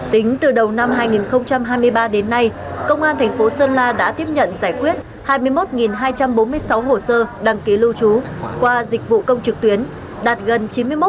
tính từ đầu năm hai nghìn hai mươi ba đến nay công an tp sơn la đã tiếp nhận giải quyết hai mươi một hai trăm bốn mươi sáu hồ sơ đăng ký lưu trú qua dịch vụ công trực tuyến